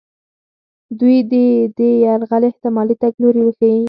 دوی دې د یرغل احتمالي تګ لوري وښیي.